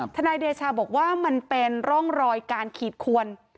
นายเดชาบอกว่ามันเป็นร่องรอยการขีดขวน